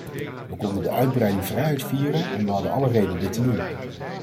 We konden de uitbreiding vrijuit vieren en we hadden alle reden dit te doen.